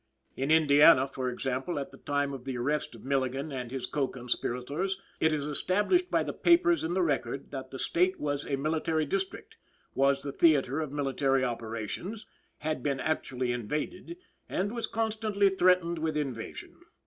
"In Indiana, for example, at the time of the arrest of Milligan and his co conspirators, it is established by the papers in the record, that the State was a military district; was the theatre of military operations, had been actually invaded, and was constantly threatened with invasion.